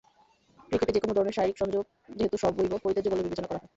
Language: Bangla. ক্রিকেটে যেকোনো ধরনের শারীরিক সংযোগ যেহেতু সর্বৈব পরিত্যাজ্য বলে বিবেচনা করা হয়।